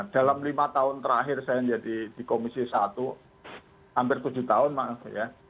dalam lima tahun terakhir saya menjadi di komisi satu hampir tujuh tahun maaf ya